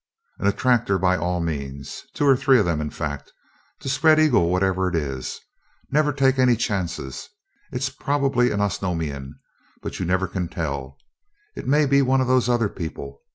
"An attractor, by all means. Two or three of them, in fact, to spread eagle whatever it is. Never take any chances. It's probably an Osnomian, but you never can tell. It may be one of those other people.